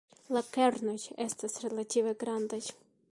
La kernoj estas relative grandaj.